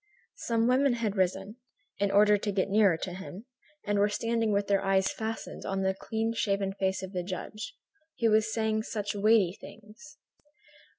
Some women had risen, in order to get nearer to him, and were standing with their eyes fastened on the clean shaven face of the judge, who was saying such weighty things.